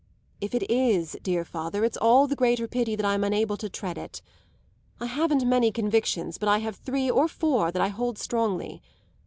"If it is, dear father, it's all the greater pity that I'm unable to tread it. I haven't many convictions; but I have three or four that I hold strongly.